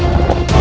tidak ada suara